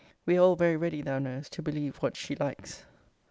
We are all very ready, thou knowest, to believe what she likes.